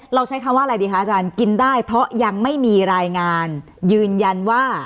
ใช้คำว่าอะไรดีคะอาจารย์กินได้เพราะยังไม่มีรายงานยืนยันว่า